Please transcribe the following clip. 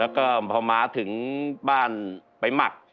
แล้วก็พอมาถึงบ้านไปหมัก